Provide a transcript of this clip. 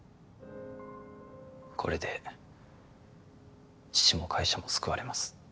これで父も会社も救われます